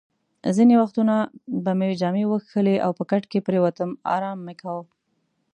ځینې وختونه به مې جامې وکښلې او په کټ کې پرېوتم، ارام مې کاوه.